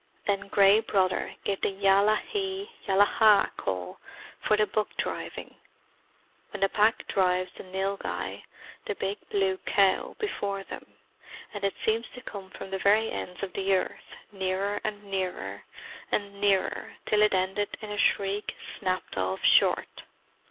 Then Gray Brother gave the Ya la hi! Yalaha! call for the buck driving, when the Pack drives the nilghai, the big blue cow, before them, and it seemed to come from the very ends of the earth, nearer, and nearer, and nearer, till it ended in a shriek snapped off short.